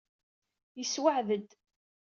Yessewɛed-d.